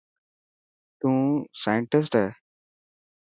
تون سانٽسٽ هي.